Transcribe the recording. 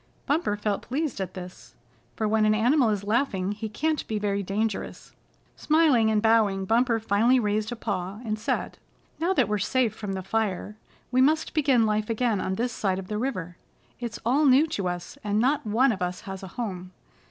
Bumper felt pleased at this, for when an animal is laughing he can't be very dangerous. Smiling and bowing, Bumper finally raised a paw, and said: "Now that we're safe from the fire, we must begin life again on this side of the river. It's all new to us, and not one of us has a home.